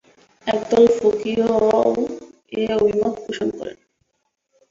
একদল ফকীহও এ অভিমত পোষণ করেন।